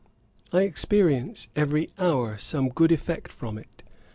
I experience, every hour, some good effect from it.